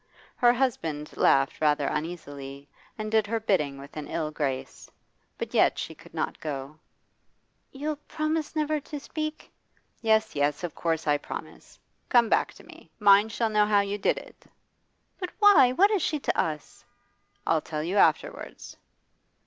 Her husband laughed rather uneasily, and did her bidding with an ill grace. But yet she could not go. 'You'll promise never to speak ' 'Yes, yes, of course I promise. Come back to me. Mind, shall know how you did it.' 'But why? What is she to us?' 'I'll tell you afterwards.